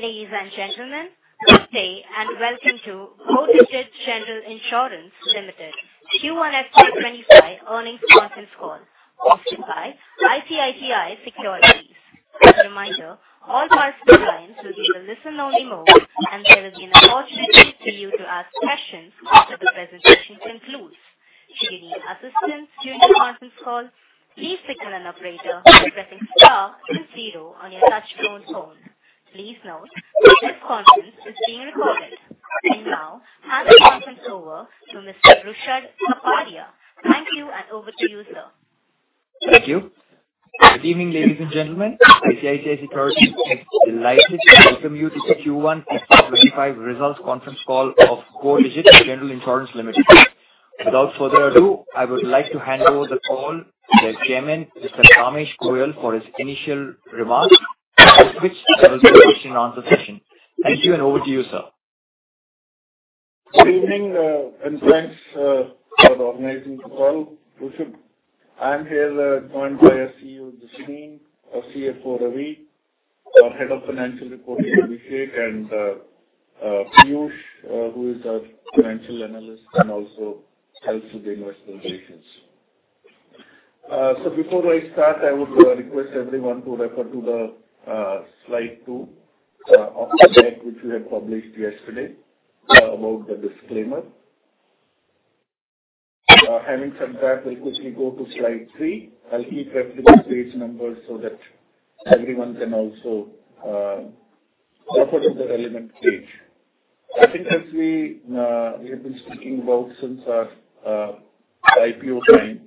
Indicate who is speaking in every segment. Speaker 1: Ladies and gentlemen, good day and welcome to Go Digit General Insurance Limited Q1 FY25 earnings conference call, hosted by ICICI Securities. As a reminder, all participants will be in the listen-only mode, and there will be an opportunity for you to ask questions after the presentation concludes. Should you need assistance during the conference call, please signal an operator by pressing star and zero on your touch-tone phone. Please note that this conference is being recorded. And now, hand the conference over to Mr. Ruchit Kapadia. Thank you, and over to you, sir.
Speaker 2: Thank you. Good evening, ladies and gentlemen. ICICI Securities is delighted to welcome you to the Q1 FY25 results conference call of Go Digit General Insurance Limited. Without further ado, I would like to hand over the call to their chairman, Mr. Kamesh Goyal, for his initial remarks, after which there will be a question-and-answer session. Thank you, and over to you, sir.
Speaker 3: Good evening, and thanks for organizing the call, Ruchit. I'm here joined by our CEO, Jasleen, our CFO, Ravi, our head of financial reporting, Abhishek, and Piyush, who is our financial analyst and also helps with the investment decisions. Before I start, I would request everyone to refer to slide 2 of the deck which we had published yesterday about the disclaimer. Having said that, we'll quickly go to slide 3. I'll keep referencing page numbers so that everyone can also refer to the relevant page. I think as we have been speaking about since our IPO time,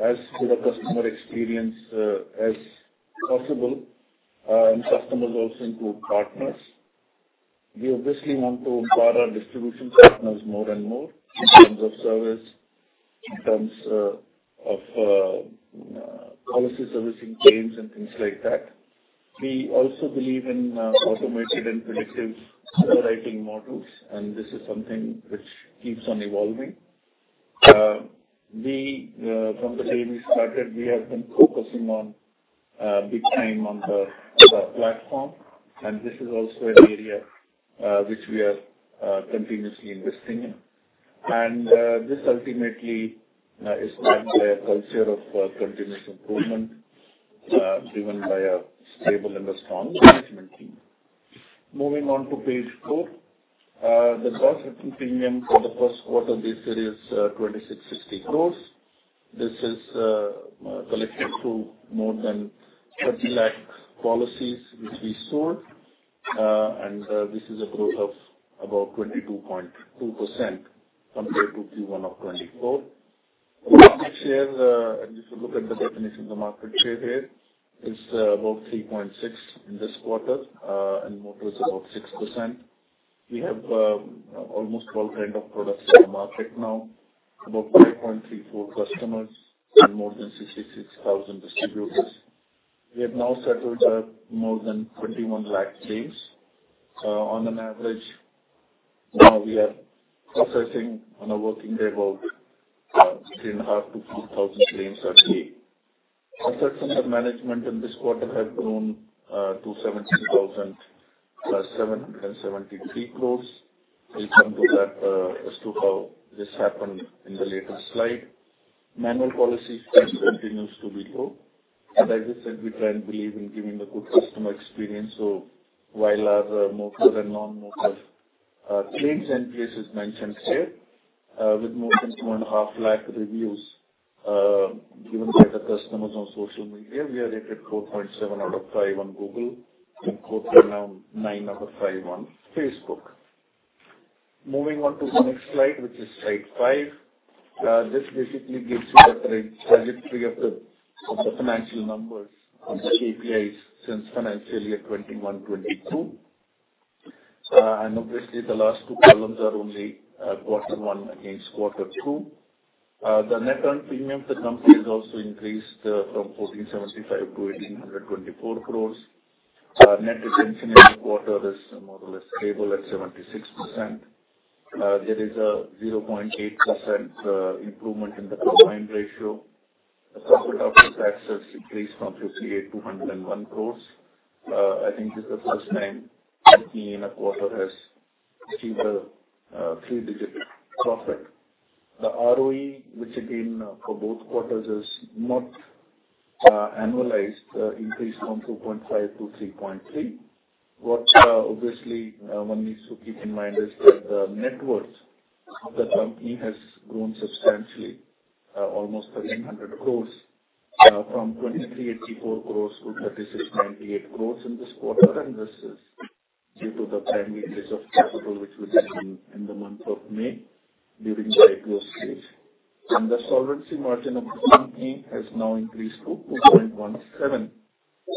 Speaker 3: indeed, we believe in giving as good a customer experience as possible, and customers also include partners. We obviously want to empower our distribution partners more and more in terms of service, in terms of policy servicing claims, and things like that. We also believe in automated and predictive writing models, and this is something which keeps on evolving. From the day we started, we have been focusing on big time on the platform, and this is also an area which we are continuously investing in. This ultimately is driven by a culture of continuous improvement, driven by a stable and a strong management team. Moving on to page four, the gross written premium for the first quarter of this year is 2,650 crores. This is collected through more than 30 lakh policies which we sold, and this is a growth of about 22.2% compared to Q1 of 2024. The market share, and if you look at the definition of the market share here, it's about 3.6 in this quarter, and motor is about 6%. We have almost all kinds of products in the market now, about 5.34 customers and more than 66,000 distributors. We have now settled more than 21 lakh claims. On an average, we are processing on a working day about 3,500-4,000 claims a day. Assets under management in this quarter have grown to 17,773 crore. We'll come to that as to how this happened in the latest slide. Manual policy spend continues to be low. As I just said, we try and believe in giving a good customer experience. So while our motor and non-motor claims NPS is mentioned here, with more than 2.5 lakh reviews given by the customers on social media, we are rated 4.7 out of 5 on Google, and 4.9 out of 5 on Facebook. Moving on to the next slide, which is slide 5, this basically gives you the trajectory of the financial numbers on the KPIs since financial year 2021-2022. And obviously, the last two columns are only quarter one against quarter two. The net earned premium for the company has also increased from 1,475 crores to 1,824 crores. Net retention in the quarter is more or less stable at 76%. There is a 0.8% improvement in the combined ratio. The corporate OpEx increased from 58 crores to 101 crores. I think this is the first time in a quarter has seen a three-digit profit. The ROE, which again for both quarters is not annualized, increased from 2.5 to 3.3. What obviously one needs to keep in mind is that the net worth of the company has grown substantially, almost 1,300 crores, from 2,384 crores to 3,698 crores in this quarter, and this is due to the primary use of capital which was given in the month of May during the IPO stage. The solvency margin of the company has now increased to 2.17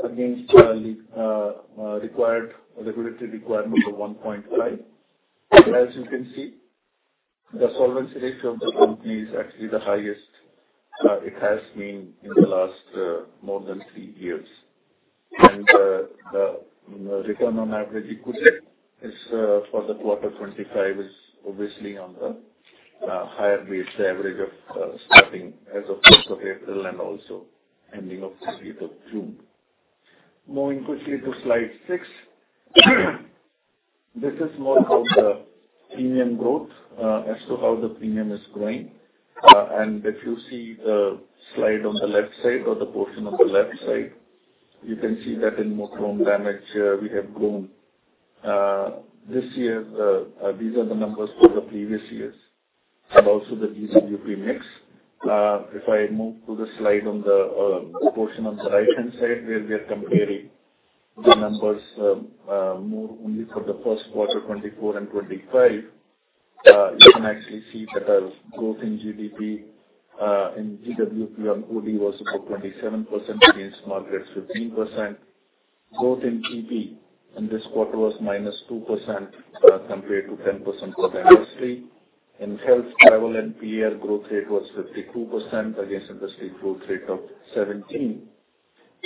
Speaker 3: against the required regulatory requirement of 1.5. As you can see, the solvency ratio of the company is actually the highest it has been in the last more than 3 years. The return on average equity for the quarter 2025 is obviously on the higher base, the average of starting as of 1st of April and also ending of 15th of June. Moving quickly to slide 6, this is more about the premium growth as to how the premium is growing. If you see the slide on the left side or the portion of the left side, you can see that in Motor Own Damage, we have grown this year. These are the numbers for the previous years and also the GWP mix. If I move to the slide on the portion on the right-hand side where we are comparing the numbers only for the first quarter, 2024 and 2025, you can actually see that our growth in GWP on OD was about 27% against market 15%. Growth in TP in this quarter was -2% compared to 10% for the industry. In health, travel, and PA, growth rate was 52% against industry growth rate of 17%.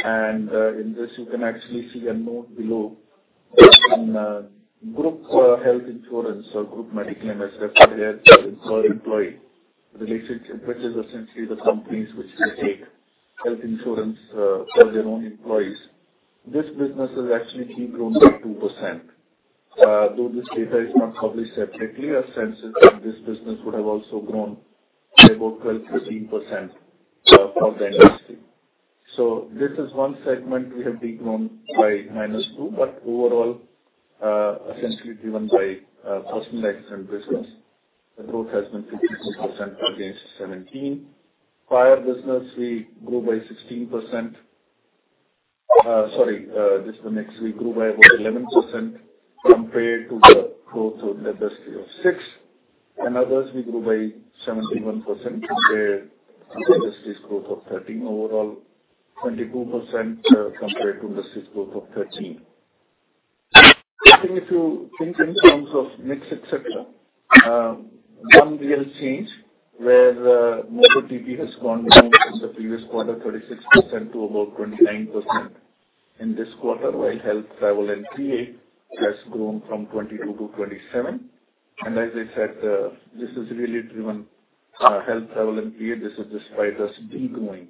Speaker 3: And in this, you can actually see a note below. In group health insurance or group medical MSME, there is employee relationship, which is essentially the companies which will take health insurance for their own employees. This business has actually grown by 2%. Though this data is not published separately, our sense is that this business would have also grown by about 12%-15% for the industry. So this is one segment we have grown by -2%, but overall, essentially driven by personal accident and business. The growth has been 52% against 17%. Fire insurance, we grew by 16%. Sorry, this is the next. We grew by about 11% compared to the growth of the industry of 6%. And others, we grew by 71% compared to the industry's growth of 13%. Overall, 22% compared to industry's growth of 13%. I think if you think in terms of mix, etc., one real change where motor TP has gone down in the previous quarter, 36% to about 29% in this quarter, while health, travel, and PA has grown from 22% to 27%. And as I said, this is really driven health, travel, and PA. This is despite us degrowing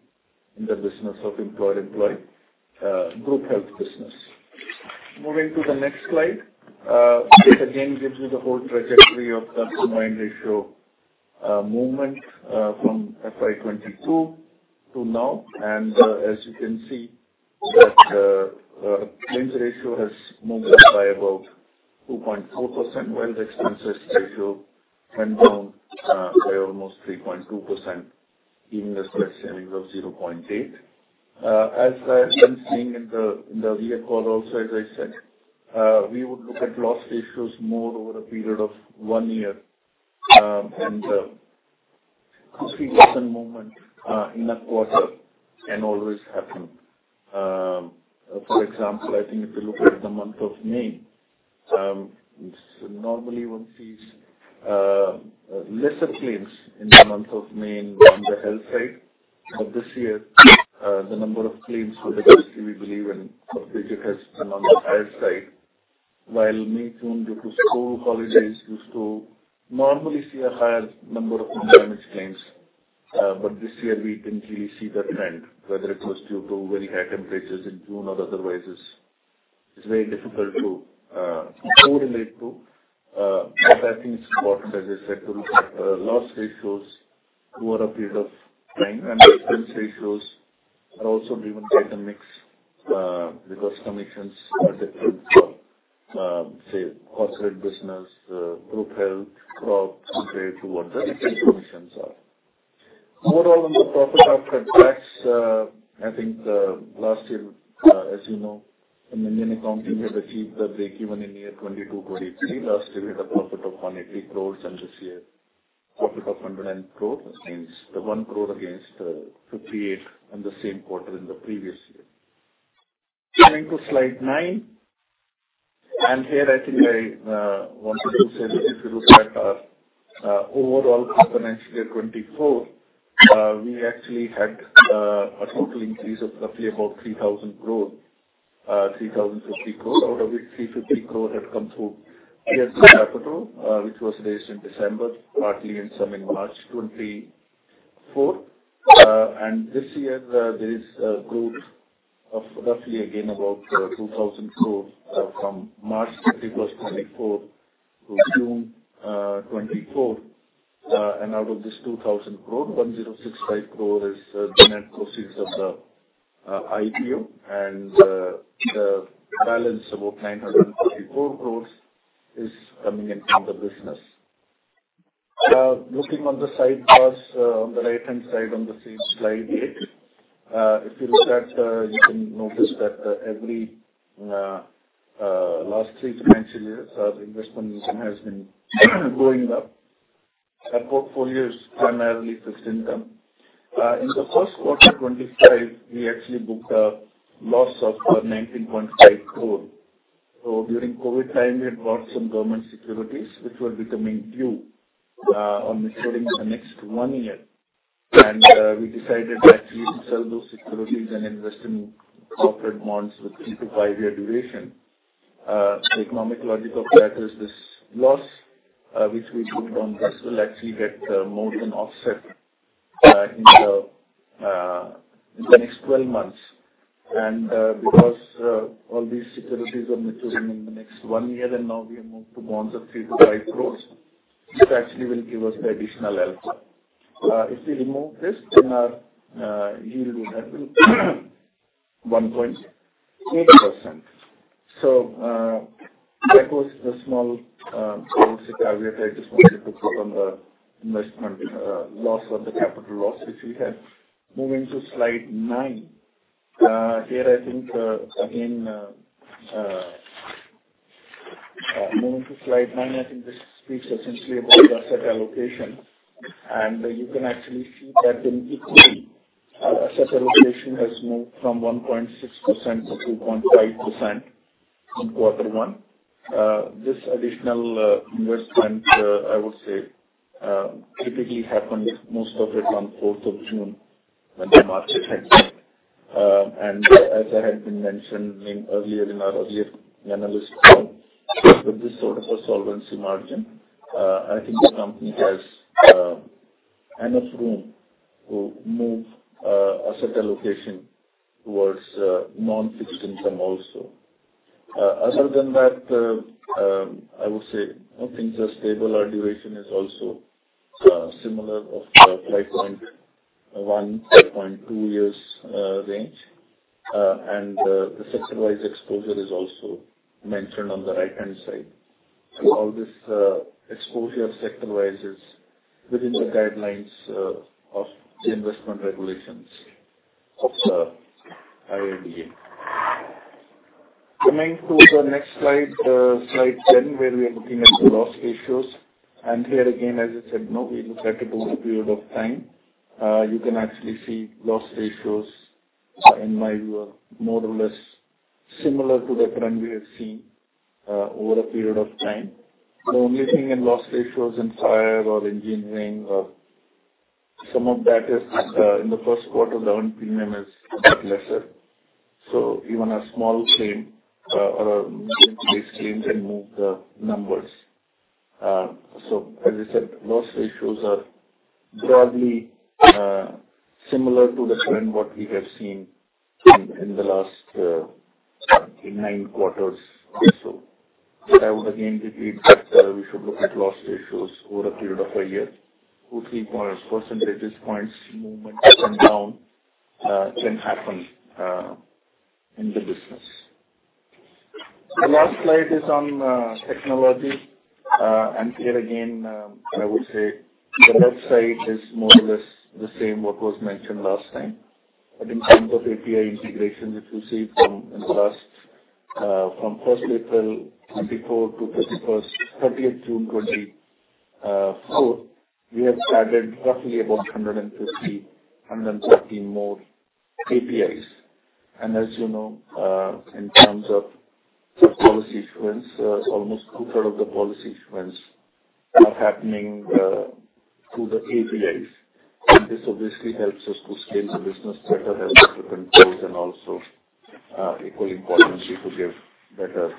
Speaker 3: in the business of employer-employee group health business. Moving to the next slide, this again gives you the whole trajectory of the combined ratio movement from FY22 to now. And as you can see, that claims ratio has moved up by about 2.4%, while the expense ratio went down by almost 3.2%, giving us net savings of 0.8%. As I've been seeing in the earlier call also, as I said, we would look at loss ratios more over a period of one year, and a 3% movement in a quarter can always happen. For example, I think if you look at the month of May, normally one sees lesser claims in the month of May on the health side. But this year, the number of claims for the industry, we believe, and Go Digit has been on the higher side. While May, June, due to school holidays, you still normally see a higher number of damage claims. But this year, we didn't really see the trend, whether it was due to very high temperatures in June or otherwise. It's very difficult to correlate to. But I think it's important, as I said, to look at loss ratios over a period of time. Expense ratios are also driven by the mix because commissions are different for, say, corporate business, group health, crops, compared to what the expense commissions are. Overall, on the profit after tax, I think last year, as you know, the Ind AS accounting had achieved a break-even in year 2022-23. Last year, we had a profit of 180 crore, and this year, profit of 109 crore, which means the 1 crore against 58 crore in the same quarter in the previous year. Moving to slide 9. Here, I think I wanted to say that if you look at our overall components year 2024, we actually had a total increase of roughly about 3,000 crore, 3,050 crore. Out of it, 350 crore had come through PS2 capital, which was raised in December, partly, and some in March 2024. This year, there is a growth of roughly again about 2,000 crore from March 31st, 2024 to June 2024. Out of this 2,000 crore, 1,065 crore is the net proceeds of the IPO, and the balance of about 944 crore is coming in from the business. Looking on the sidebars on the right-hand side on the same slide 8, if you look at, you can notice that every last three financial years, our investment income has been going up. Our portfolio is primarily fixed income. In the first quarter 2025, we actually booked a loss of 19.5 crore. During COVID time, we had bought some government securities, which were becoming due on maturing the next one year. We decided actually to sell those securities and invest in corporate bonds with 3- to 5-year duration. The economic logic of that is this loss, which we booked on this, will actually get more than offset in the next 12 months. Because all these securities are maturing in the next 1 year, and now we have moved to bonds of 3 crore-5 crore, this actually will give us the additional alpha. If we remove this, then our yield would have been 1.8%. So that was the small, I would say, caveat I just wanted to put on the investment loss or the capital loss which we had. Moving to slide 9, here I think, again, moving to slide 9, I think this speaks essentially about the asset allocation. And you can actually see that in equity, our asset allocation has moved from 1.6% to 2.5% in quarter 1. This additional investment, I would say, typically happened most of it on 4th of June when the market had died. As I had been mentioned earlier in our earlier analysis, with this sort of a solvency margin, I think the company has enough room to move asset allocation towards non-fixed income also. Other than that, I would say things are stable. Our duration is also similar of 5.1-5.2 years range. The sector-wise exposure is also mentioned on the right-hand side. All this exposure sector-wise is within the guidelines of the investment regulations of the IRDA. Coming to the next slide, slide 10, where we are looking at the loss ratios. Here again, as I said, we look at it over a period of time. You can actually see loss ratios in my view are more or less similar to the trend we have seen over a period of time. The only thing in loss ratios in fire or engineering or some of that is in the first quarter, the earned premium is a bit lesser. So even a small claim or a multiple claim can move the numbers. So as I said, loss ratios are broadly similar to the trend what we have seen in the last nine quarters or so. I would again repeat that we should look at loss ratios over a period of a year to see what percentage points movement up and down can happen in the business. The last slide is on technology. And here again, I would say the website is more or less the same what was mentioned last time. But in terms of API integration, if you see from last from 1st April 2024 to 30th June 2024, we have added roughly about 150, 130 more APIs. And as you know, in terms of policy issuance, almost two-thirds of the policy issuance are happening through the APIs. And this obviously helps us to scale the business better, helps us to control and also equally importantly to give better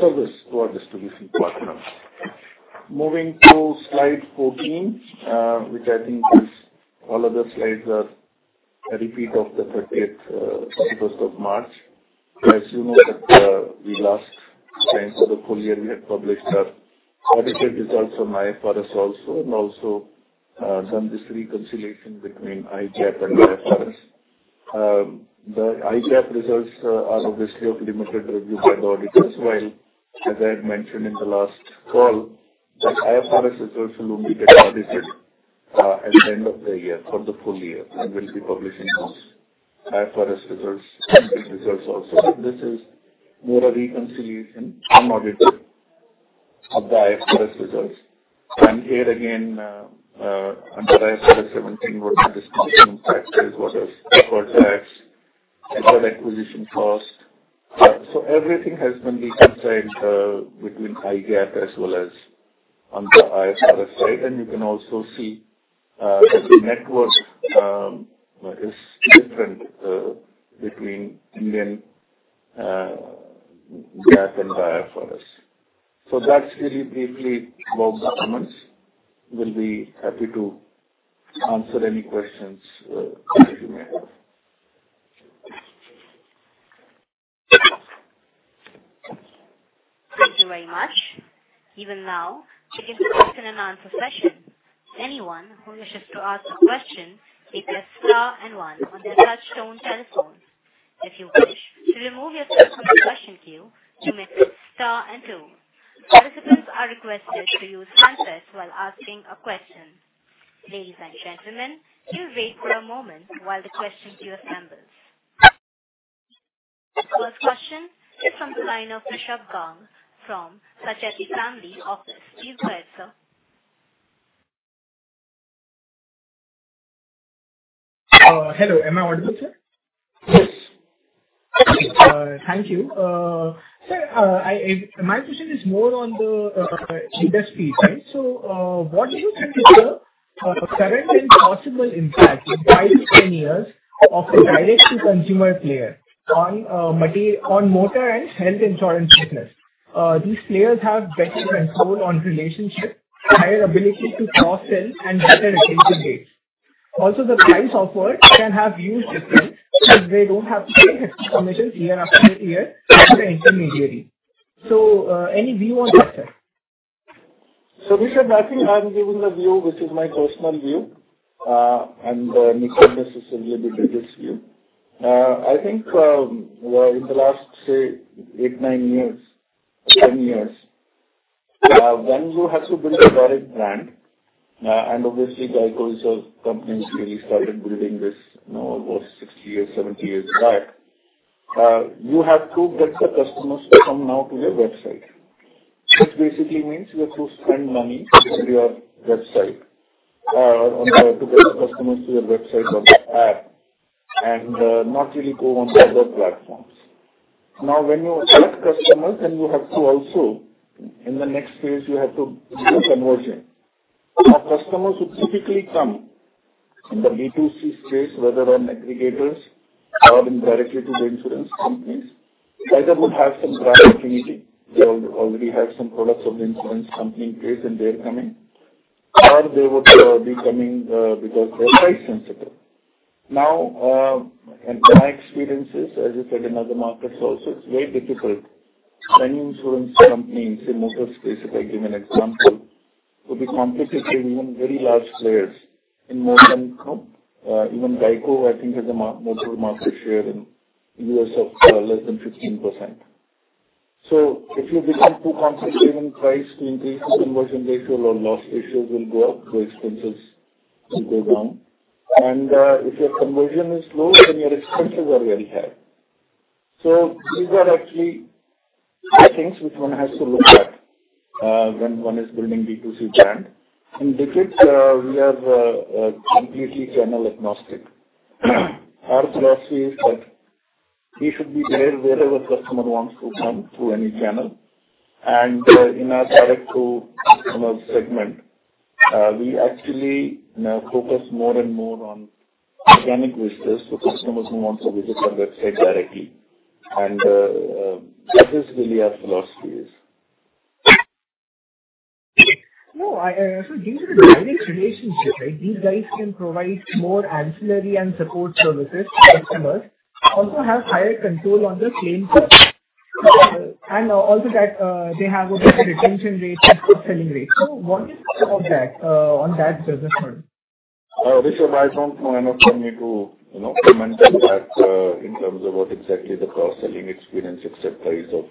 Speaker 3: service to our distribution partners. Moving to slide 14, which I think is all other slides are a repeat of the 30th, 31st of March. As you know, we last time for the full year, we had published our audited results on IFRS also and also done this reconciliation between IGAP and IFRS. The IGAP results are obviously of limited review by the auditors, while as I had mentioned in the last call, the IFRS results will only get audited at the end of the year for the full year and will be published in those IFRS results also. This is more a reconciliation from auditor of the IFRS results. Here again, under IFRS 17, what the distribution factor is, what are corporate tax, corporate acquisition cost. So everything has been reconciled between IGAP as well as on the IFRS side. You can also see that the net worth is different between Indian GAAP and IFRS. So that's really briefly about the comments. We'll be happy to answer any questions that you may have. Thank you very much. Even now, to give the question-and-answer session. Anyone who wishes to ask a question may press star and one on their touch-tone telephones. If you wish to remove yourself from the question queue, you may press star and two. Participants are requested to use handsets while asking a question. Ladies and gentlemen, please wait for a moment while the question queue assembles. The first question is from the line of Rishabh Gang from Sacheti Family Office. Please go ahead, sir. Hello. Am I audible, sir? Yes. Thank you. Sir, my question is more on the industry, right? So what do you think is the current and possible impact in 5-10 years of a direct-to-consumer player on motor and health insurance business? These players have better control on relationship, higher ability to cross-sell, and better retention rates. Also, the price offer can have huge difference because they don't have to pay extra commissions year after year to the intermediary. So any view on that, sir? So Rishabh, I think I'm giving a view which is my personal view, and Nicholas is a little bit different view. I think in the last, say, 8, 9 years, 10 years, when you have to build a direct brand, and obviously, GEICO is a company that really started building this over 60 years, 70 years back, you have to get the customers to come now to your website. This basically means you have to spend money on your website to get the customers to your website on the app and not really go on the other platforms. Now, when you attract customers, then you have to also, in the next phase, you have to do conversion. Now, customers who typically come in the B2C space, whether on aggregators or directly to the insurance companies, either would have some brand affinity. They already have some products of the insurance company in place, and they're coming, or they would be coming because they're price sensitive. Now, in my experiences, as you said, in other markets also, it's very difficult. Many insurance companies, say, motor space, if I give an example, to be competitive with even very large players in more than even GEICO, I think, has a motor market share in the U.S. of less than 15%. So if you become too competitive in price to increase the conversion ratio, your loss ratios will go up, your expenses will go down. And if your conversion is low, then your expenses are very high. So these are actually things which one has to look at when one is building B2C brand. In Digit, we are completely channel agnostic. Our philosophy is that we should be there wherever the customer wants to come through any channel. In our direct-to-customer segment, we actually focus more and more on organic visitors to customers who want to visit our website directly. That is really our philosophy. No, so due to the direct relationship, right, these guys can provide more ancillary and support services to customers, also have higher control on the claim process. Also that they have a better retention rate and cross-selling rate. So what is the impact on that business model? Rishabh, I don't know. I'm not going to comment on that in terms of what exactly the cross-selling experience expect is of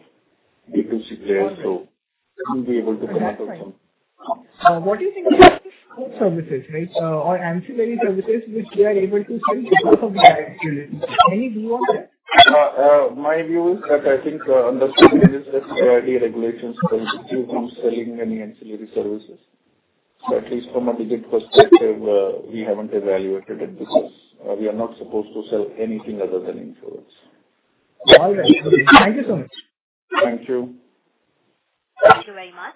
Speaker 3: B2C players to be able to come up with some. What do you think about the support services, right, or ancillary services which they are able to sell to the customer? Any view on that? My view is that I think understanding is that the IRD regulations prohibit you from selling any ancillary services. So at least from a Digit perspective, we haven't evaluated it because we are not supposed to sell anything other than insurance. All right. Thank you so much. Thank you. Thank you very much.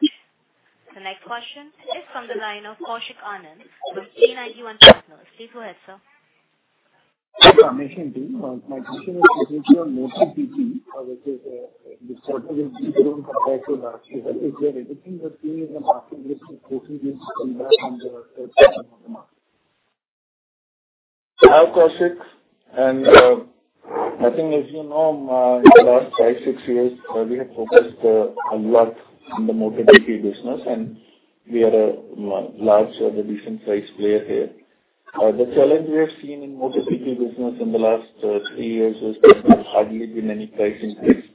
Speaker 3: The next question is from the line of Kaushik Anand from A91 Partners. Please go ahead, sir. Yeah, Mission Team. My question is in case you are noting PT, which is a disadvantage compared to last year, is there anything you're seeing in the market list to quickly give feedback on the third quarter of the market? Hi, Kaushik. And I think, as you know, in the last five, six years, we have focused a lot on the motor TP business, and we are a large and a decent-sized player here. The challenge we have seen in motor TP business in the last 3 years is there has hardly been any price increase.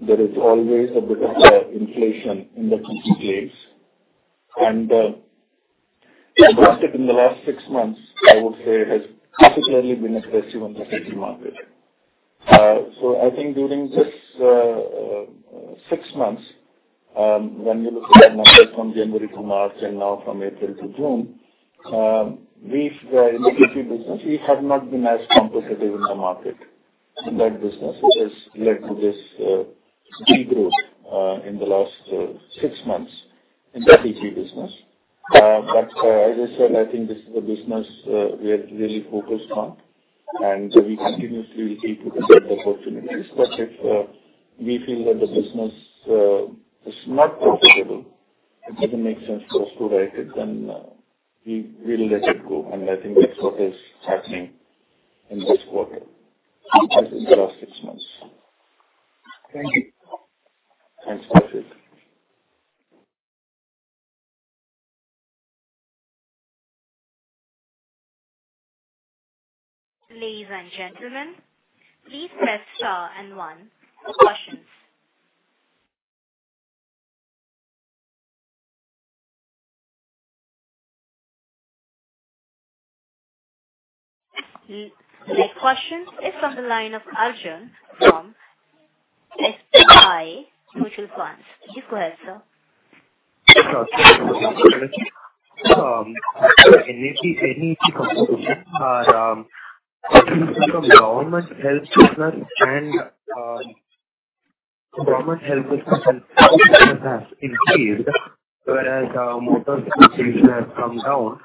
Speaker 3: There is always a bit of inflation in the TP claims. The market in the last 6 months, I would say, has particularly been aggressive on the PT market. I think during these 6 months, when you look at the numbers from January to March and now from April to June, in the PT business, we have not been as competitive in the market. That business has led to this degree in the last 6 months in the PT business. As I said, I think this is a business we are really focused on, and we continuously will keep looking at the opportunities. But if we feel that the business is not profitable, it doesn't make sense for us to write it, then we'll let it go. And I think that's what is happening in this quarter in the last six months. Thank you. Thanks, Prashik. Ladies and gentlemen, please press star and one. Questions. The next question is from the line of Arjun from SBI Mutual Fund. Please go ahead, sir. In AP computation, the government health business and government health business has increased, whereas motor computation has come down.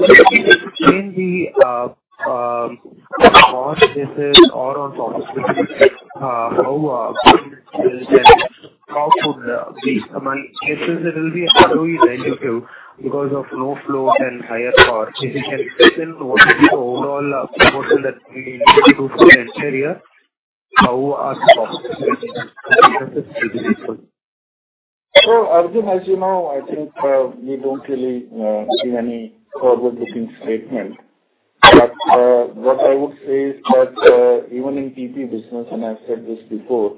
Speaker 3: In the cost cases or on topics, how can we still get how could we among cases it will be a value too because of no float and higher cost. If we can still what is the overall proportion that we need to do for the interior, how are the costs? So Arjun, as you know, I think we don't really see any forward-looking statement. But what I would say is that even in TP business, and I've said this before,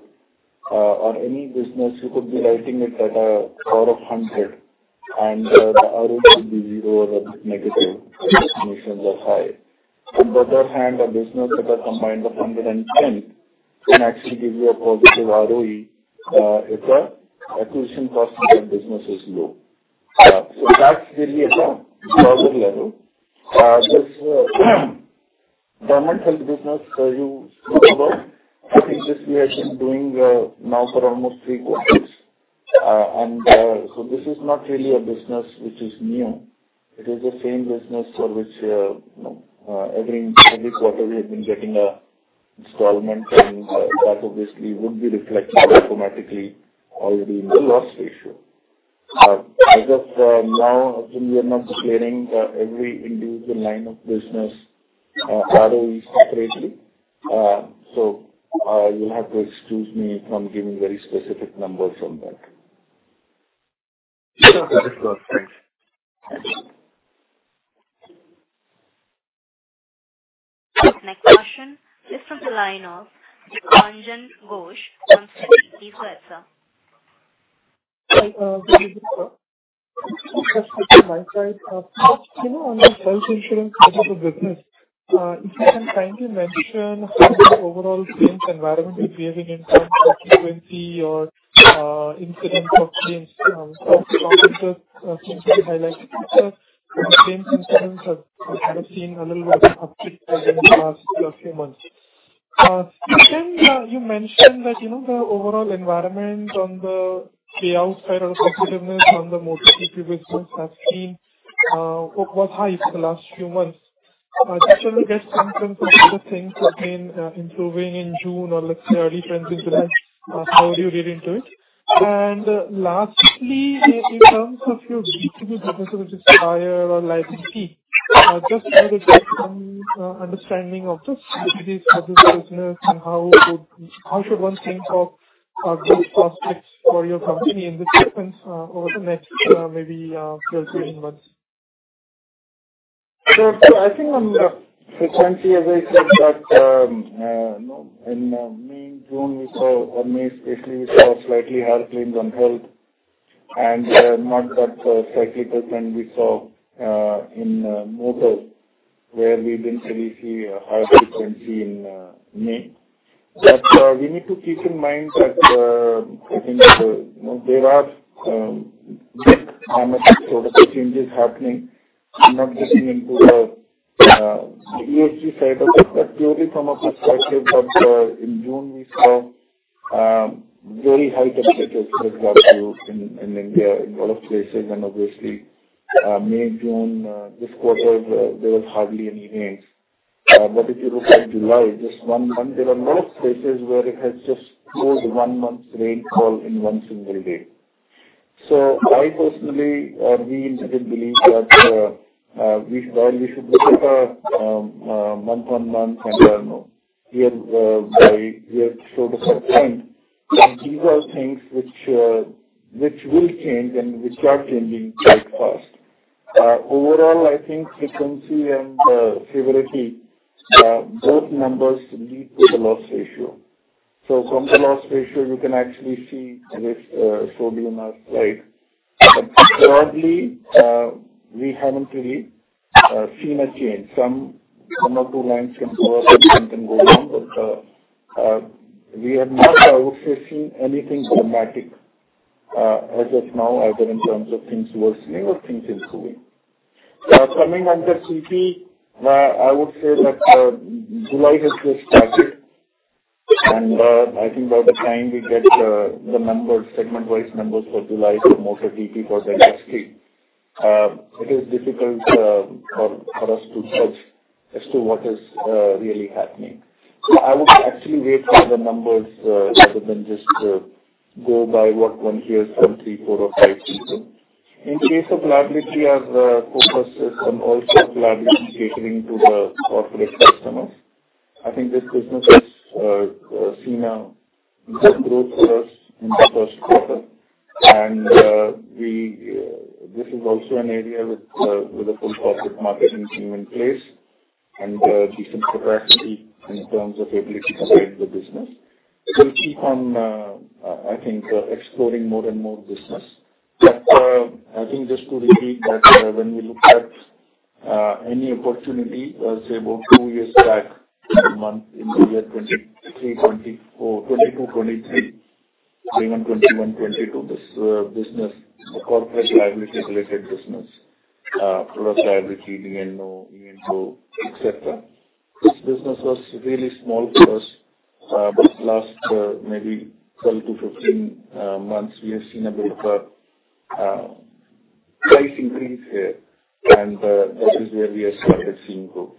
Speaker 3: or any business, you could be writing it at a price of 100, and the ROE could be zero or a bit negative. The acquisition costs are high. On the other hand, a business that is combined ratio of 110 can actually give you a positive ROE if the acquisition cost of that business is low. So that's really at a broader level. This government health business you spoke about, I think this we have been doing now for almost three quarters. And so this is not really a business which is new. It is the same business for which every quarter we have been getting an installment, and that obviously would be reflected automatically already in the loss ratio. As of now, we are not declaring every individual line of business ROE separately. So you'll have to excuse me from giving very specific numbers on that. That is correct. Thanks. Next question is from the line of Arjun Ghosh from Systematix Group. Please go ahead, sir. Hi, this is Rishabh. Just quickly, my side of you know, on the health insurance side of the business, if you can kindly mention how the overall claims environment is behaving in terms of frequency or incidence of claims. Rishabh, just simply highlighting that claims incidence has kind of seen a little bit of uptick within the last few months. You mentioned that the overall environment on the payout side or competitiveness on the motor TP business has seen was high for the last few months. Did you ever get some sense of whether things have been improving in June or, let's say, early 2020? How do you read into it? And lastly, in terms of your B2B business, which is higher or like TP, just whether there's some understanding of the strategies for this business and how should one think of those prospects for your company in the distance over the next maybe 12 to 18 months? So I think on the frequency, as I said, that in May, June, we saw or May, especially, we saw slightly higher claims on health. And not that cyclical trend we saw in motor, where we didn't really see a higher frequency in May. But we need to keep in mind that I think there are dramatic sort of changes happening. I'm not getting into the ESG side of it, but purely from a perspective of in June, we saw very high temperatures for example in India in a lot of places. And obviously, May, June, this quarter, there was hardly any rain. But if you look at July, just one month, there were a lot of places where it has just slowed one month's rainfall in one single day. So I personally, we indeed believe that while we should look at a month-on-month and a year-by-year sort of a trend, these are things which will change and which are changing quite fast. Overall, I think frequency and severity, both numbers lead to the loss ratio. So from the loss ratio, you can actually see this anomaly aside. But broadly, we haven't really seen a change. Some of the lines can go up and some can go down, but we have not, I would say, seen anything dramatic as of now, either in terms of things worsening or things improving. Coming under TP, I would say that July has just started. I think by the time we get the numbers, segment-wise numbers for July for motor TP for the industry, it is difficult for us to judge as to what is really happening. I would actually wait for the numbers rather than just go by what one hears from three, four, or five people. In case of collaboration, we have focused on also collaboration catering to the corporate customers. I think this business has seen a good growth first in the first quarter. This is also an area with a full corporate marketing team in place and decent capacity in terms of ability to guide the business. We'll keep on, I think, exploring more and more business. But I think just to repeat that when we look at any opportunity, I'll say about two years back, month in the year 2022, 2023, 2021, 2022, this business, the corporate liability-related business, product liability, D&O, E&O, etc., this business was really small first. But last maybe 12-15 months, we have seen a bit of a price increase here, and that is where we have started seeing growth.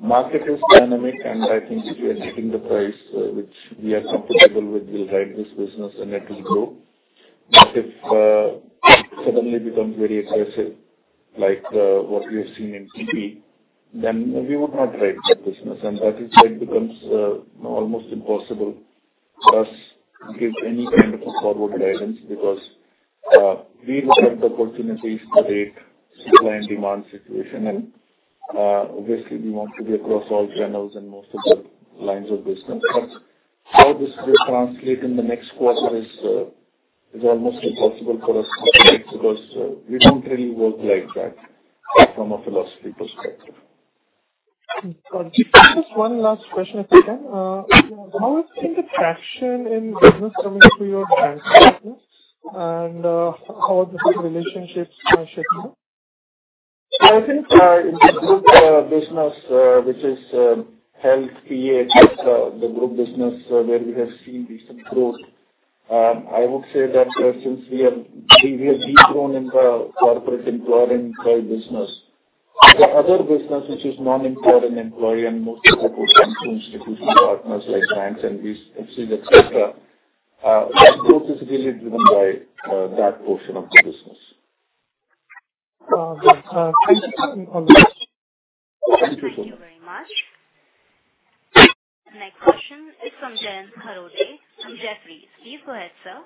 Speaker 3: Market is dynamic, and I think if we are getting the price which we are comfortable with, we'll ride this business and let it grow. But if it suddenly becomes very aggressive, like what we have seen in TP, then we would not ride the business. And that is why it becomes almost impossible for us to give any kind of a forward guidance because we look at the opportunities, the rate, supply and demand situation. And obviously, we want to be across all channels and most of the lines of business. But how this will translate in the next quarter is almost impossible for us to predict because we don't really work like that from a philosophy perspective. Just one last question, if I can. How has the traction in business coming through your bank business, and how are the relationships shaping up? I think in this business, which is health, PA, the group business where we have seen recent growth, I would say that since we have degrown in the corporate employer and employee business, the other business, which is non-employer and employee and mostly corporate institutional partners like banks and VCs, etc., that growth is really driven by that portion of the business. Thank you so much. Thank you so much. Thank you very much. The next question is from Jayant Kharote. Jefferies, please go ahead, sir.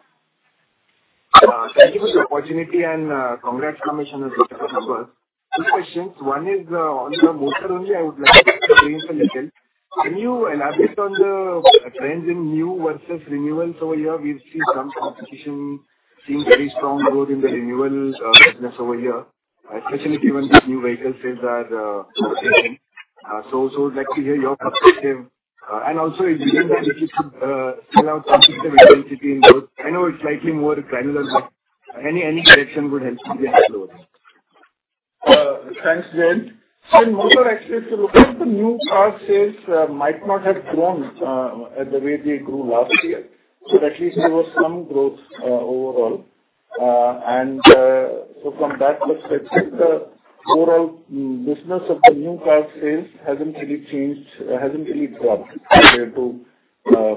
Speaker 3: Thank you for the opportunity and congrats on the massive numbers. Two questions. One is on the motor only, I would like to explain a little. Can you elaborate on the trends in new versus renewals over here? We've seen some competition, seen very strong growth in the renewal business over here, especially given that new vehicle sales are taken. I would like to hear your perspective. And also, if you can kindly speak to spell out some of the intensity in growth. I know it's slightly more granular, but any correction would help me to explore it. Thanks, Jayant. So in motor actually, looking at the new car sales, might not have grown at the way they grew last year, but at least there was some growth overall. And so from that perspective, the overall business of the new car sales hasn't really changed, hasn't really dropped compared to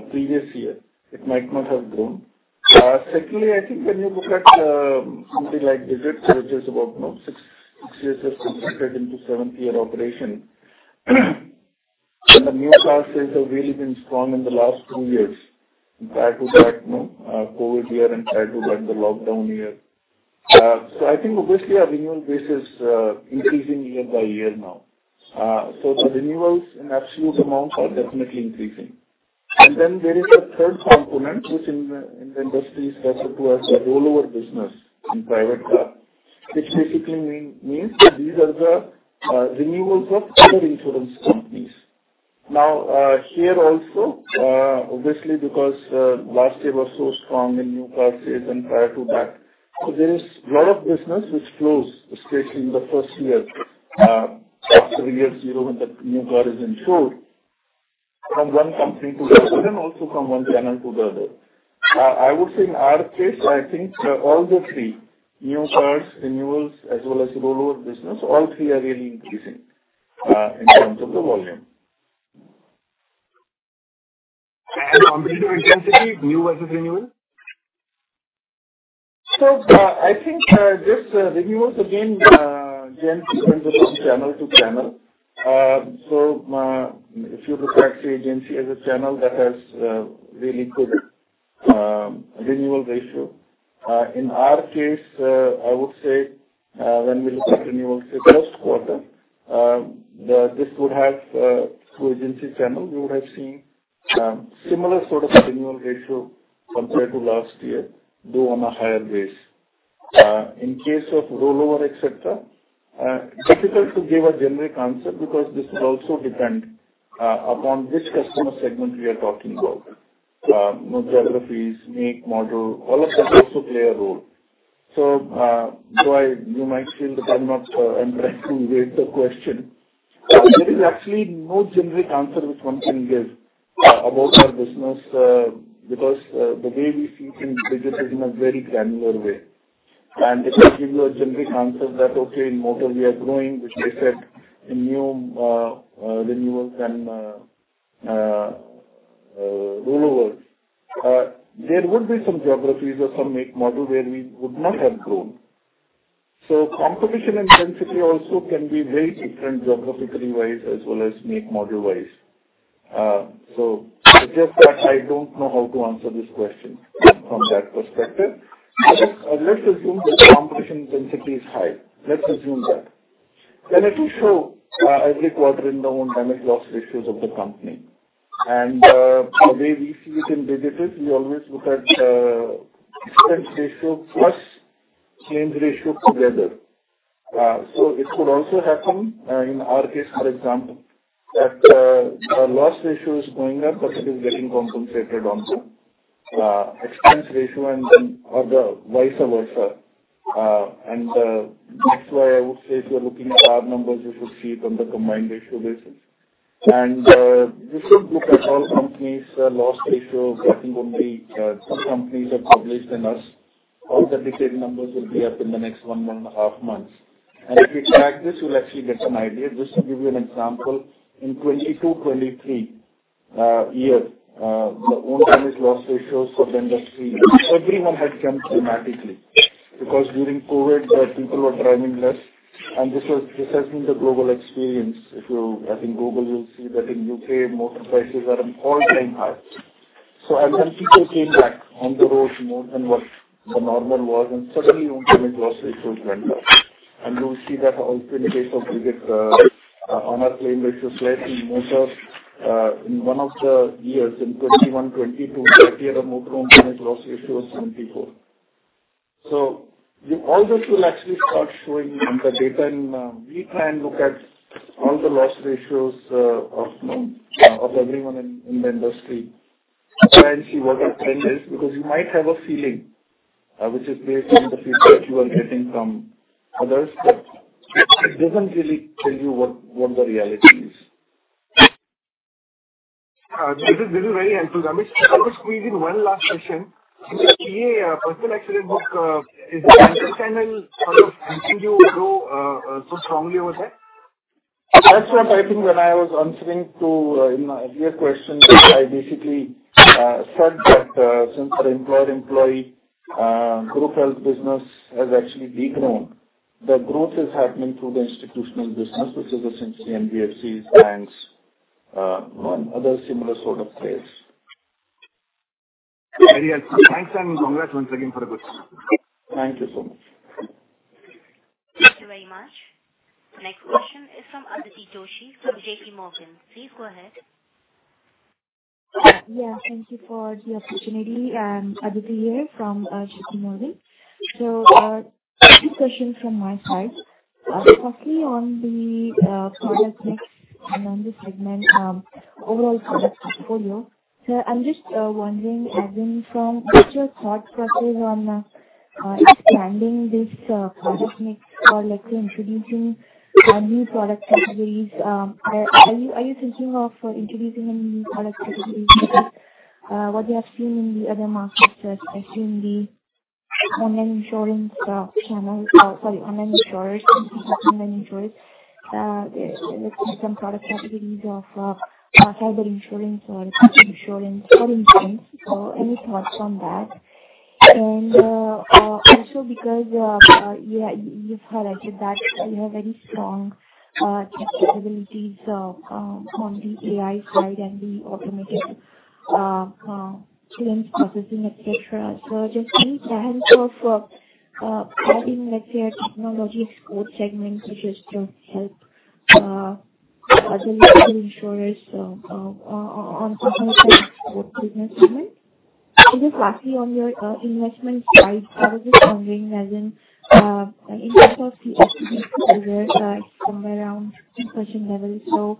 Speaker 3: previous year. It might not have grown. Secondly, I think when you look at something like Digit, which is about 6 years or so into 7th-year operation, the new car sales have really been strong in the last 2 years, tied to that COVID year and tied to the lockdown year. So I think obviously our renewal base is increasing year by year now. So the renewals in absolute amounts are definitely increasing. And then there is the third component, which in the industry is referred to as the rollover business in private car, which basically means these are the renewals of other insurance companies. Now, here also, obviously because last year was so strong in new car sales and prior to that, so there is a lot of business which flows, especially in the first year, after year zero when the new car is insured, from one company to the other and also from one channel to the other. I would say in our case, I think all the three, new cars, renewals, as well as rollover business, all three are really increasing in terms of the volume. And on renewal intensity, new versus renewal? So I think just renewals, again, again, depends upon channel to channel. So if you look at, say, agency as a channel that has really good renewal ratio, in our case, I would say when we look at renewals, say, first quarter, this would have through agency channel, we would have seen similar sort of renewal ratio compared to last year, though on a higher base. In case of rollover, etc., difficult to give a generic answer because this would also depend upon which customer segment we are talking about. Geographies, make, model, all of that also play a role. So you might feel that I'm not trying to evade the question. There is actually no generic answer which one can give about our business because the way we see things, Digit is in a very granular way. And if I give you a generic answer that, okay, in motor, we are growing, which they said in new renewals and rollovers, there would be some geographies or some make, model where we would not have grown. So competition intensity also can be very different geographically wise as well as make model wise. So just that, I don't know how to answer this question from that perspective. Let's assume that the competition intensity is high. Let's assume that. Then it will show every quarter in the own damage loss ratios of the company. And the way we see it in Digit is we always look at expense ratio plus claims ratio together. So it could also happen in our case, for example, that the loss ratio is going up, but it is getting compensated on the expense ratio and then vice versa. That's why I would say if you're looking at our numbers, you should see it on the combined ratio basis. Just look at all companies' loss ratio. I think only two companies have published in the U.S. All the detailed numbers will be up in the next one and a half months. And if you track this, you'll actually get an idea. Just to give you an example, in 2022, 2023 year, the own damage loss ratios for the industry, everyone had jumped dramatically because during COVID, people were driving less. And this has been the global experience. I think if you Google it, you'll see that in the U.K., motor prices are at an all-time high. As people came back on the road more than what the normal was, and suddenly own damage loss ratios went up. You will see that also in case of Digit on our claim ratio slice in motor. In one of the years in 2021, 2022, 30-year, the motor own damage loss ratio was 74. So all this will actually start showing on the data. We try and look at all the loss ratios of everyone in the industry and see what the trend is because you might have a feeling, which is based on the feedback you are getting from others, but it doesn't really tell you what the reality is. This is very helpful. I'm just going to squeeze in one last question. Is the PA personal accident book is the channel sort of making you grow so strongly over there? That's what I think when I was answering to your question, I basically said that since the employer-employee group health business has actually degrown, the growth is happening through the institutional business, which is essentially NBFCs, banks, and other similar sort of players. Thanks, and congrats once again for the question. Thank you so much. Thank you very much. The next question is from Aditi Joshi from J.P. Morgan. Please go ahead. Yeah. Thank you for the opportunity. Aditi here from J.P. Morgan. So a few questions from my side. Firstly, on the product mix and on the segment overall product portfolio, I'm just wondering, as in from what's your thought process on expanding this product mix or, let's say, introducing new product categories? Are you thinking of introducing any new product categories? What you have seen in the other markets, especially in the online insurance channels or, sorry, online insurers, online insurers, some product categories of cyber insurance or insurance for insurance. So any thoughts on that? And also because you've highlighted that you have very strong capabilities on the AI side and the automated claims processing, etc., so just any plans of adding, let's say, a technology export segment which is to help other insurers on some other export business segment? And just lastly, on your investment side, I was just wondering, as in in terms of the equity figure, it's somewhere around 2% level. So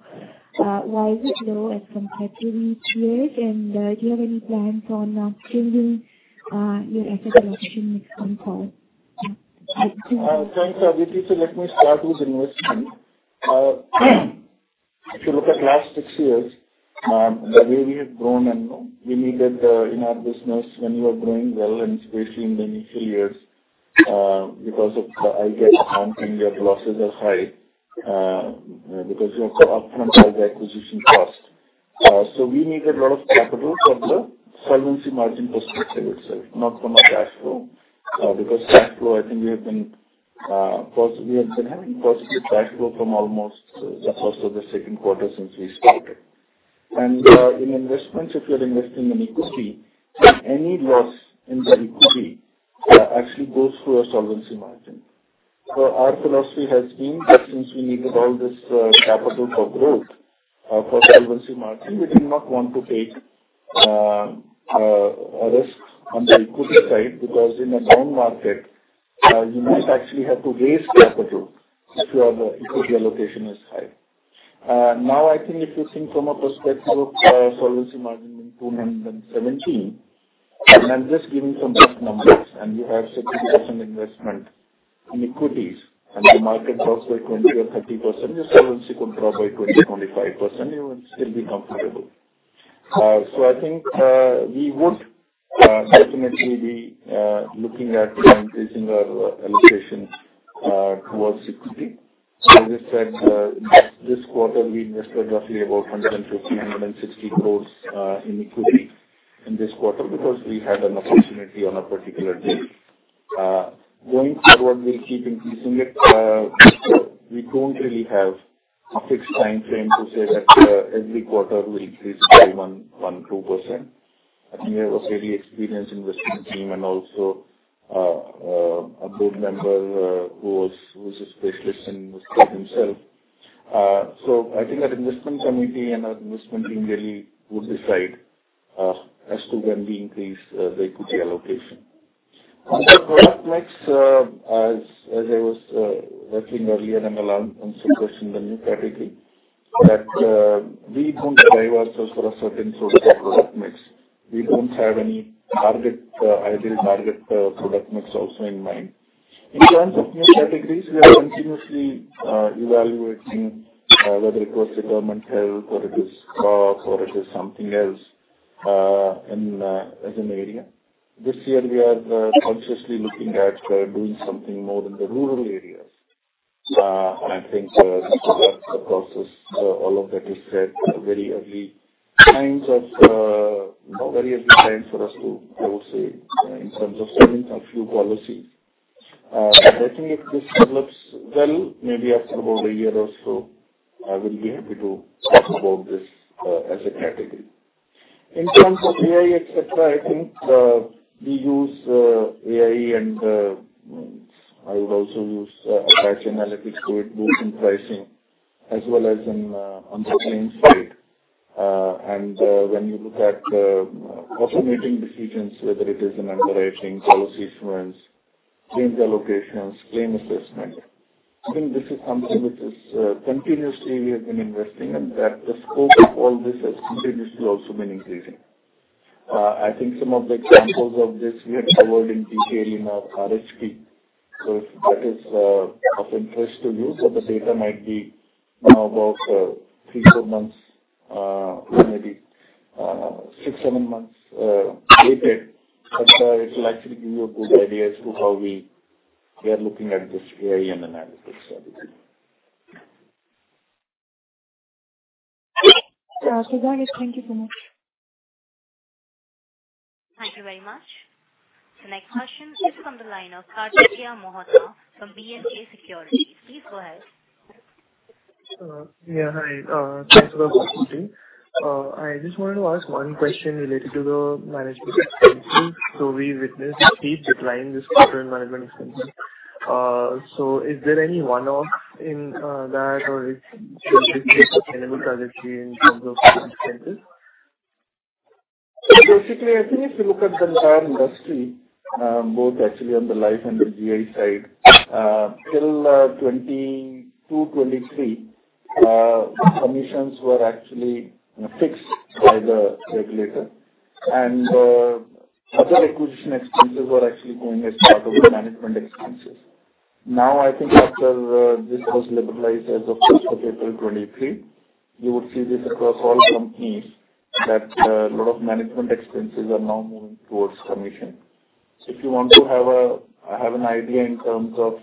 Speaker 3: why is it low as compared to these years? And do you have any plans on changing your asset allocation next time call? Thanks, Aditi. So let me start with investment. If you look at last six years, the way we have grown and we needed in our business when we were growing well and especially in the initial years because of the IGAP amount and your losses are high because you have to upfront all the acquisition cost. So we needed a lot of capital from the solvency margin perspective itself, not from a cash flow because cash flow, I think we have been having positive cash flow from almost the first or the second quarter since we started. And in investments, if you're investing in equity, any loss in the equity actually goes through a solvency margin. So our philosophy has been that since we needed all this capital for growth, for solvency margin, we did not want to take a risk on the equity side because in a known market, you might actually have to raise capital if your equity allocation is high. Now, I think if you think from a perspective of solvency margin being 217, and I'm just giving some rough numbers, and you have 70% investment in equities and the market drops by 20%-30%, your solvency could drop by 20%-25%. You would still be comfortable. So I think we would definitely be looking at increasing our allocation towards equity. As I said, this quarter, we invested roughly about 150-160 crore in equity in this quarter because we had an opportunity on a particular date. Going forward, we'll keep increasing it. We don't really have a fixed time frame to say that every quarter we'll increase by 1%-2%. I think we have a very experienced investment team and also a board member who is a specialist in this field himself. So I think our investment committee and our investment team really would decide as to when we increase the equity allocation. On the product mix, as I was referring earlier and I'll answer the question, the new category, that we don't drive ourselves for a certain sort of product mix. We don't have any target, ideal target product mix also in mind. In terms of new categories, we are continuously evaluating whether it was the government health or it is crop or it is something else as an area. This year, we are consciously looking at doing something more in the rural areas. And I think that's the process. All of that is set very early. Kind of very early plans for us to, I would say, in terms of selling a few policies. But I think if this develops well, maybe after about a year or so, I will be happy to talk about this as a category. In terms of AI, etc., I think we use AI and I would also use data analytics to it both in pricing as well as on the claims side. And when you look at automating decisions, whether it is an underwriting, policy issuance, claims allocations, claim assessment, I think this is something which is continuously we have been investing in that the scope of all this has continuously also been increasing. I think some of the examples of this we have covered in detail in our RHP. So if that is of interest to you, so the data might be now about 3, 4 months, maybe 6, 7 months dated, but it will actually give you a good idea as to how we are looking at this AI and analytics strategy. Thank you so much. Thank you very much. The next question is from the line of Kartikeya Mohta from B&K Securities. Please go ahead. Yeah. Hi. Thanks for the opportunity. I just wanted to ask one question related to the management expenses. So we witnessed a steep decline this quarter in management expenses. So is there any one-off in that, or is this sustainable strategy in terms of expenses? So basically, I think if you look at the entire industry, both actually on the life and the GI side, till 2022, 2023, commissions were actually fixed by the regulator. Other acquisition expenses were actually going as part of the management expenses. Now, I think after this was liberalized as of April 23, you would see this across all companies that a lot of management expenses are now moving towards commission. If you want to have an idea in terms of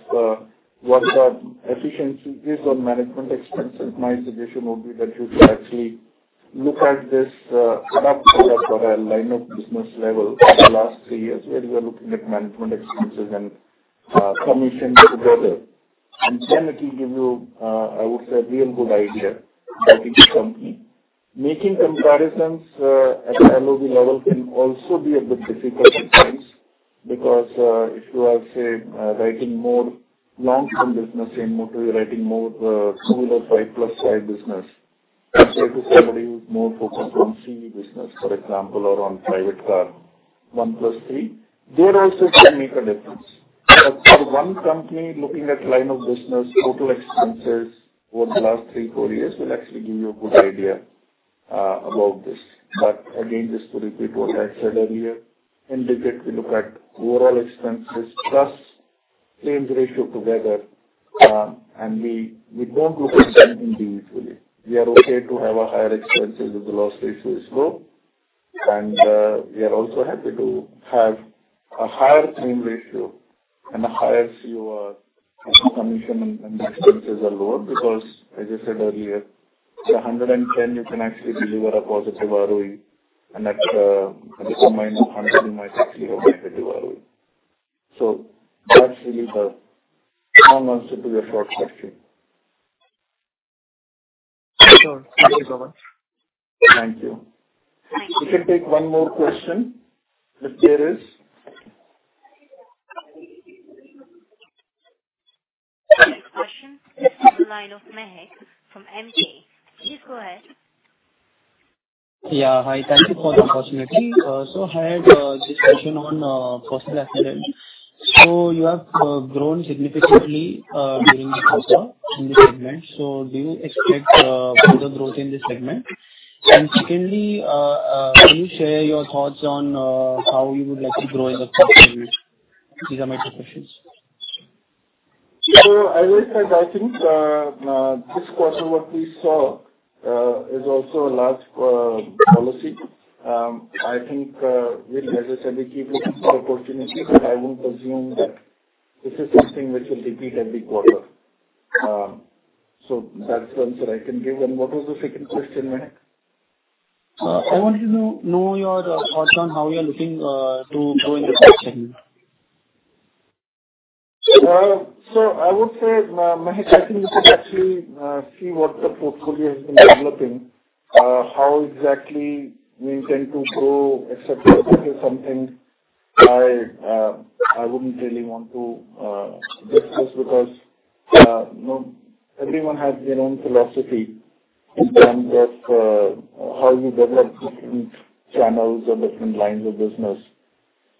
Speaker 3: what the efficiency is on management expenses, my suggestion would be that you should actually look at this up at a line of business level for the last three years where you are looking at management expenses and commission together. And then it will give you, I would say, a real good idea about each company. Making comparisons at the LOB level can also be a bit difficult at times because if you are, say, writing more long-term business in motor, you're writing more two wheeler five plus five business compared to somebody who's more focused on CV business, for example, or on private car one plus three, they're also going to make a difference. But for one company looking at line of business total expenses over the last three, four years will actually give you a good idea about this. But again, just to repeat what I said earlier, in Digit, we look at overall expenses plus claims ratio together, and we don't look at them individually. We are okay to have a higher expenses if the loss ratio is low. And we are also happy to have a higher claim ratio and a higher COR if the commission and expenses are lower because, as I said earlier, the 110 you can actually deliver a positive ROE, and at the -100, you might actually have a negative ROE. So that's really the long answer to your short question. Sure. Thank you so much. Thank you. We can take one more question if there is. Next question is from the line of Mahek from Emkay Global. Please go ahead. Yeah. Hi. Thank you for the opportunity. So I had this question on personal accident. So you have grown significantly during the crop in this segment. So do you expect further growth in this segment? And secondly, can you share your thoughts on how you would like to grow in the crop segment? These are my two questions. So as I said, I think this quarter, what we saw is also a large policy. I think, as I said, we keep looking for opportunities, but I won't assume that this is something which will repeat every quarter. So that's the answer I can give. And what was the second question, Mahek? I wanted to know your thoughts on how you're looking to grow in the crop segment. So I would say, Mahek, I think you could actually see what the portfolio has been developing, how exactly we intend to grow, etc. This is something I wouldn't really want to discuss because everyone has their own philosophy in terms of how you develop different channels or different lines of business.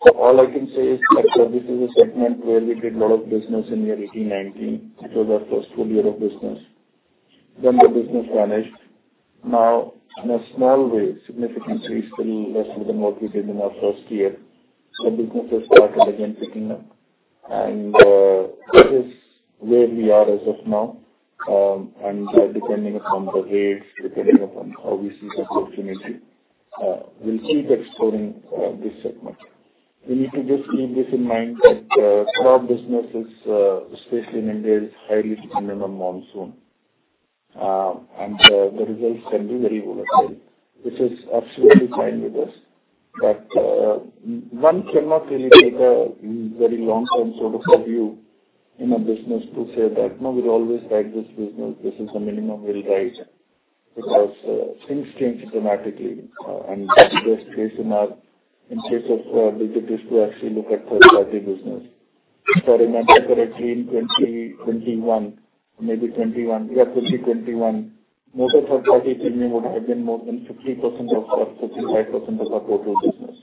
Speaker 3: So all I can say is that this is a segment where we did a lot of business in 2018, 2019. It was our first full year of business. Then the business vanished. Now, in a small way, significantly still less than what we did in our first year, the business has started again picking up. And this is where we are as of now. And depending upon the rates, depending upon how we see the opportunity, we'll keep exploring this segment. We need to just keep this in mind that crop businesses, especially in India, are highly dependent on monsoon. And the results can be very volatile, which is absolutely fine with us. But one cannot really take a very long-term sort of view in a business to say that, "No, we'll always ride this business. This is the minimum we'll ride," because things change dramatically. And the best case in our case of Digit is to actually look at third-party business. For example, correctly, in 2021, maybe 21, yeah, 2021, Motor Third-Party premium would have been more than 50% of our 55% of our total business.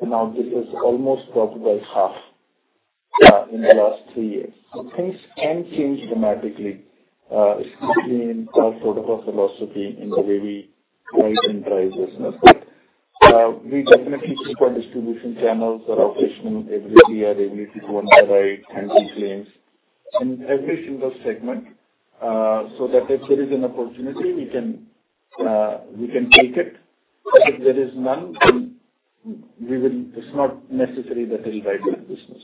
Speaker 3: Now this has almost dropped by half in the last 3 years. So things can change dramatically, especially in our sort of philosophy in the way we write and drive business. But we definitely keep our distribution channels or operational ability, our ability to underwrite, handle claims in every single segment so that if there is an opportunity, we can take it. If there is none, then it's not necessary that we'll ride that business.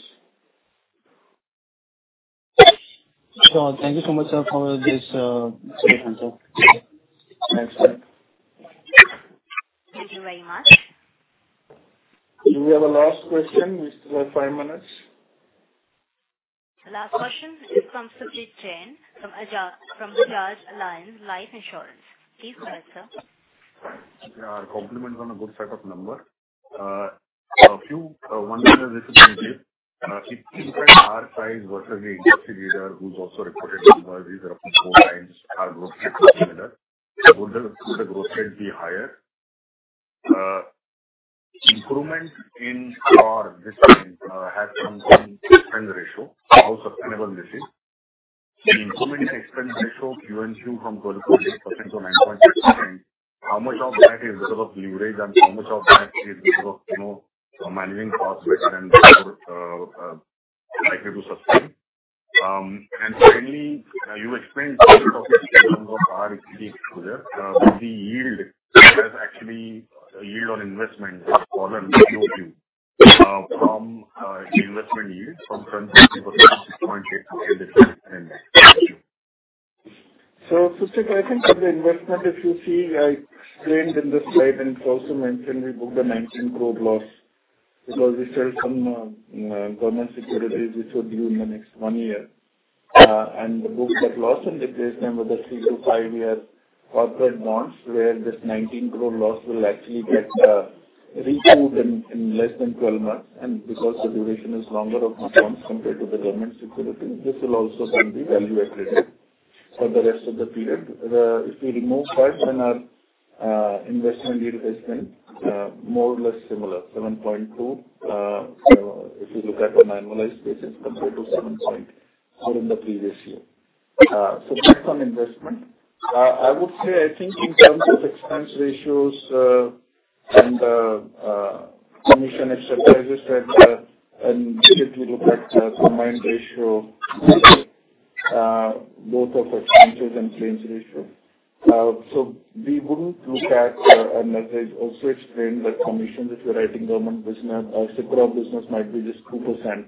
Speaker 3: So thank you so much for this great answer. Thanks. Thank you very much. Do we have a last question? We still have 5 minutes. The last question is from Subhajeet Sen from Bajaj Allianz Life Insurance. Please go ahead, sir. Yeah. Our compliments on a good set of numbers. One thing is, if it's simple, if you look at our size versus the industry leader who's also reported to us, these are up to four times our growth rate is similar, would the growth rate be higher? Improvement in COR this time has something expense ratio. How sustainable this is? The improvement in expense ratio, QoQ from 12.8% to 9.6%, how much of that is because of leverage and how much of that is because of managing costs better and more likely to sustain? And finally, you explained some of the issues in terms of our equity exposure. The yield has actually yield on investment has fallen to QoQ from the investment yield from 20% to 6.8% in this index. Thank you. So Suvajit, I think for the investment, if you see, I explained in the slide and it's also mentioned we booked a 19 crore loss because we sold some government securities, which will be in the next one year. And to book that loss and replace them with 3- to 5-year corporate bonds where this 19 crore loss will actually get recouped in less than 12 months. And because the duration is longer of the bonds compared to the government securities, this will also then be value-added for the rest of the period. If we remove that, then our investment yield has been more or less similar, 7.2 if you look at an annualized basis compared to 7.4 in the previous year. So that's on investment. I would say, I think in terms of expense ratios and commission expenses, and if we look at the combined ratio, both of expenses and claims ratio. So we wouldn't look at, and as I also explained, that commissions if you're writing government business, a crop business might be just 2%.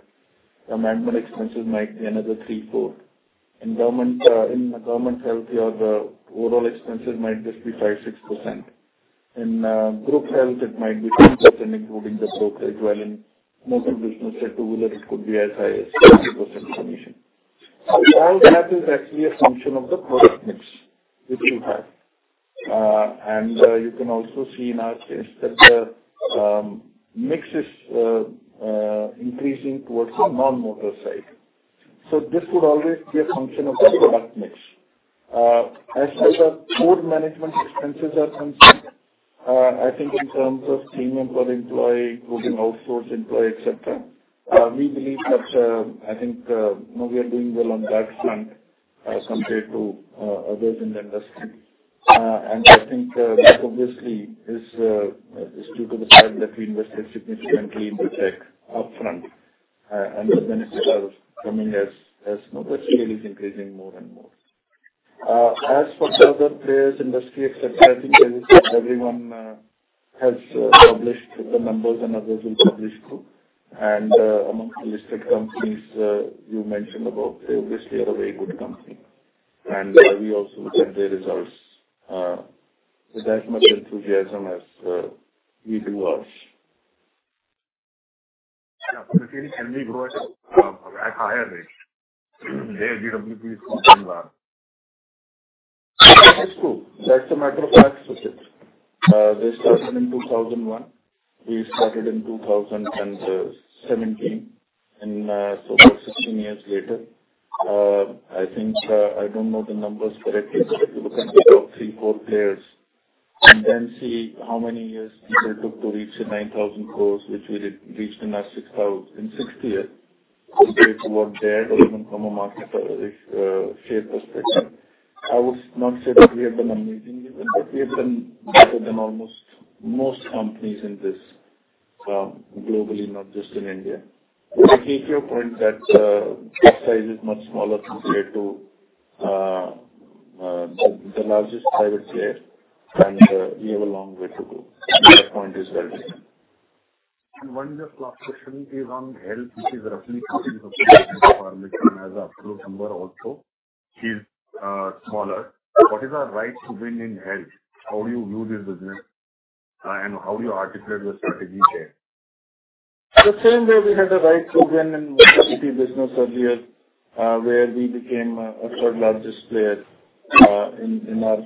Speaker 3: The management expenses might be another 3-4. In government health, your overall expenses might just be 5-6%. In group health, it might be 10% including the brokerage while in motor business, a two-wheeler, it could be as high as 20% commission. So all that is actually a function of the product mix which we have. And you can also see in our case that the mix is increasing towards the non-motor side. So this would always be a function of the product mix. As for the core management expenses are concerned, I think in terms of premium per employee, including outsourced employee, etc., we believe that I think we are doing well on that front compared to others in the industry. And I think that obviously is due to the fact that we invested significantly in the tech upfront, and the benefits are coming as the scale is increasing more and more. As for the other players, industry, etc., I think everyone has published the numbers and others will publish too. And amongst the listed companies you mentioned above, they obviously are a very good company. And we also look at their results with as much enthusiasm as we do ours. Yeah. Subjit, can we grow at a higher rate? Their GWP is not very large. That's true. That's a matter of fact, Subjit. They started in 2001. We started in 2017, and so we're 16 years later. I think I don't know the numbers correctly, but if you look at the top three, four players and then see how many years people took to reach 9,000 crore, which we reached in our 6 years, compared to what they had or even from a market share perspective, I would not say that we have done amazingly, but we have done better than almost most companies in this globally, not just in India. But I take your point that the size is much smaller compared to the largest private player, and we have a long way to go. That point is valid. And one just last question is on health, which is roughly 20% of the business. Department, and as an absolute number also, is smaller. What is our right to win in health? How do you view this business, and how do you articulate your strategy there? The same way we had a right to win in the equity business earlier where we became a third-largest player in our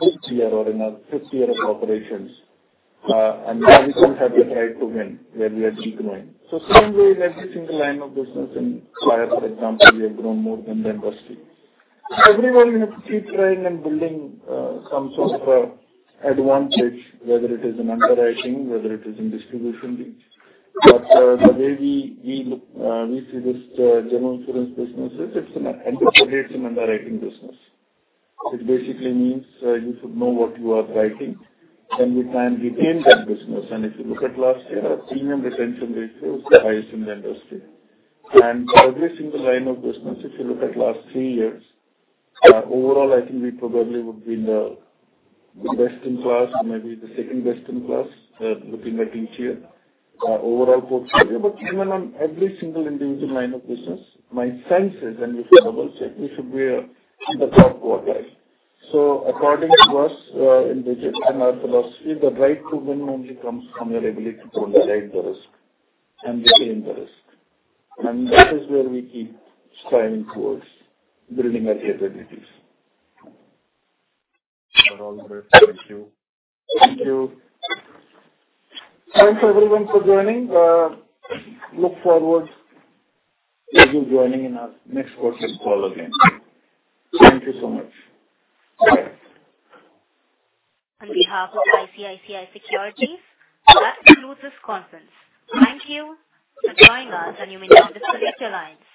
Speaker 3: fifth year or in our fifth year of operations. Now we still have the right to win where we are degrowing. Same way in every single line of business in COR, for example, we have grown more than the industry. Everywhere we have to keep trying and building some sort of an advantage, whether it is in underwriting, whether it is in distribution needs. The way we see this general insurance business is, at the end of the day, it's an underwriting business. It basically means you should know what you are writing, then we can retain that business. If you look at last year, our premium retention ratio was the highest in the industry. For every single line of business, if you look at last three years, overall, I think we probably would be in the best in class, maybe the second best in class, looking at each year, overall portfolio. But even on every single individual line of business, my sense is, and we should double-check, we should be in the top quartile. According to us in Digit and our philosophy, the right to win only comes from your ability to underwrite the risk and retain the risk. And that is where we keep striving towards building our capabilities. That's all. Thank you. Thank you. Thanks everyone for joining. Look forward to you joining in our next virtual call again. Thank you so much. Bye. On behalf of ICICI Securities, that concludes this conference.
Speaker 1: Thank you for joining us, and you may now disconnect your lines.